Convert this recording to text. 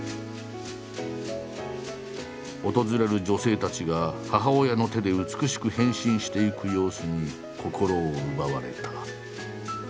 訪れる女性たちが母親の手で美しく変身していく様子に心を奪われた。